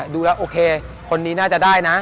ดูแล้วโอเคคนนี้น่าจะได้นะ